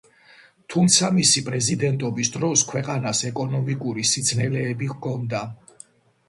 თუმცა, მისი პრეზიდენტობის დროს ქვეყანას ეკონომიკური სიძნელეები ჰქონდა.